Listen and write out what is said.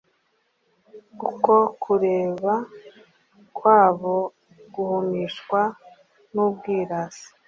Uko kureba kwa bo guhumishwa n'ubwirasi.